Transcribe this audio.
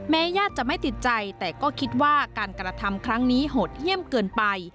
ญาติจะไม่ติดใจแต่ก็คิดว่าการกระทำครั้งนี้โหดเยี่ยมเกินไป